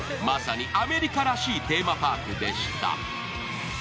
まさにアメリカらしいテーマパークでした。